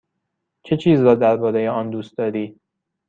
چه چیز را درباره آن دوست داری؟